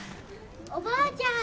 おばあちゃん